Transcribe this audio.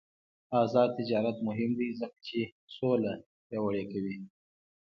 آزاد تجارت مهم دی ځکه چې سوله پیاوړې کوي.